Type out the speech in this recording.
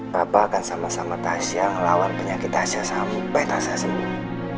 papa akan sama sama tasya ngelawan penyakit tasya sampai tasya sembuh